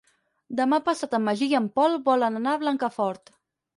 Demà passat en Magí i en Pol volen anar a Blancafort.